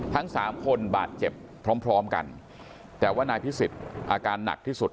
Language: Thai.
ทั้งสามคนบาดเจ็บพร้อมพร้อมกันแต่ว่านายพิสิทธิ์อาการหนักที่สุด